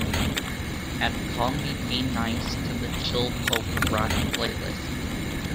Add Call Me D-Nice to the Chill Folk Rock playlist.